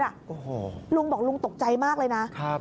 โอ้โหลุงบอกลุงตกใจมากเลยนะครับ